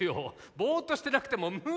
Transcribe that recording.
ボーっとしてなくても無理！